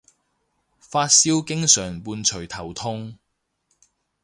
發燒經常伴隨頭痛